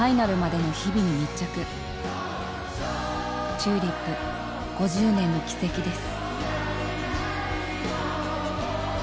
ＴＵＬＩＰ５０年の軌跡です。